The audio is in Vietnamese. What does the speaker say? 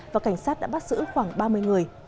và cảnh sát đã bắt giữ khoảng ba mươi người